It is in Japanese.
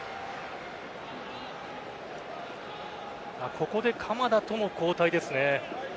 ここで鎌田との交代ですね。